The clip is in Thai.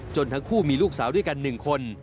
จนทั้งคู่มีลูกสาวด้วยกันหนึ่งคน